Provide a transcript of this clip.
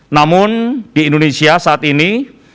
namun di indonesia saat ini